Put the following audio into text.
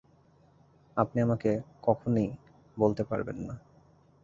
আপনি আমাকে কখনই বলতে পারবেন না।